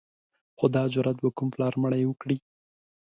خو دا جرأت به کوم پلار مړی وکړي.